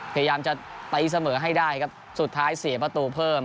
พยายามจะตีเสมอให้ได้ครับสุดท้ายเสียประตูเพิ่ม